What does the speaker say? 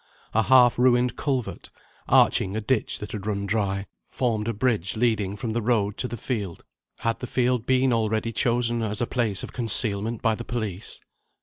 A half ruined culvert, arching a ditch that had run dry, formed a bridge leading from the road to the field. Had the field been already chosen as a place of concealment by the police?